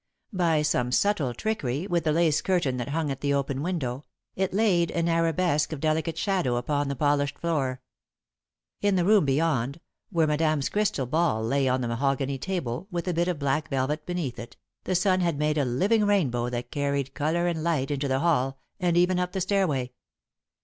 By some subtle trickery with the lace curtain that hung at the open window, it laid an arabesque of delicate shadow upon the polished floor. In the room beyond, where Madame's crystal ball lay on the mahogany table, with a bit of black velvet beneath it, the sun had made a living rainbow that carried colour and light into the hall and even up the stairway.